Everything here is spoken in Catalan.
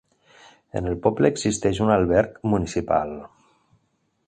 En el poble existeix un alberg municipal.